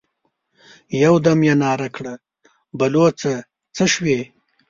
يودم يې ناره کړه: بلوڅه! څه شوې؟